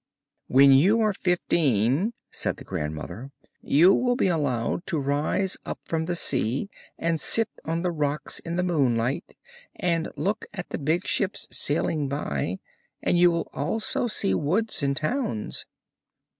'When you are fifteen,' said the grandmother, 'you will be allowed to rise up from the sea and sit on the rocks in the moonlight, and look at the big ships sailing by, and you will also see woods and towns.'